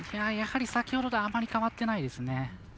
やはり先ほどとあまり変わってないですね。